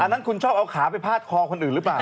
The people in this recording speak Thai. นั้นคุณชอบเอาขาไปพาดคอคนอื่นหรือเปล่า